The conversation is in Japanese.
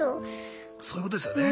そういうことですよね。